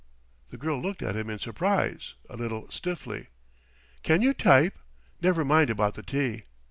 The girl looked at him in surprise, a little stiffly. "Can you type? Never mind about the tea."